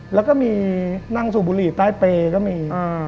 แล้วก็มีนั่งสูบบุหรี่ใต้เปย์ก็มี